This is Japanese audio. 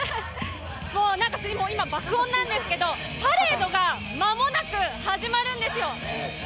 今、爆音なんですけどパレードが間もなく始まるんですよ。